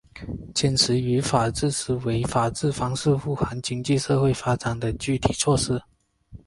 坚持以法治思维法治方式护航经济社会发展的具体措施